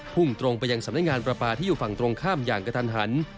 พุ่งตรงไปยังสำนักงานประปาที่อยู่ฝั่งตรงข้ามอย่างกระทันหัน